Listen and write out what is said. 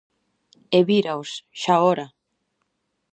E víraos, xaora!